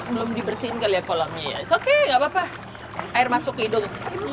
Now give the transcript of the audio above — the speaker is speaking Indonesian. belum dibersihin kali ya kolamnya ya oke nggak papa air masuk hidung